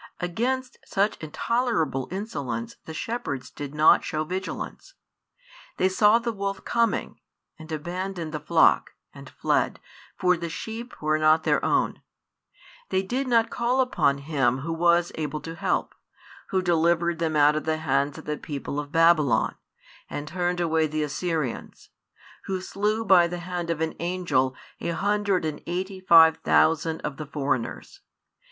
Against such intolerable insolence the shepherds did not show vigilance. They saw the wolf coming, and abandoned the flock, and fled, for the sheep were not their own; they did |78 not call upon Him Who was able to help, Who delivered them out of the hands of the people of Babylon, and turned away the Assyrians, Who slew by the hand of an angel a hundred and eighty five thousand of the foreigners.